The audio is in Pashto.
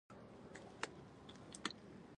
جبران خلیل جبران وایي مینه د ژوند په څېر ده.